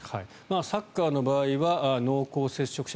サッカーの場合は濃厚接触者